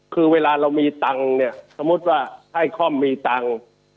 คือเวลาเรามีตังค์เนี่ยสมมุติว่าให้ค่อมมีตังค์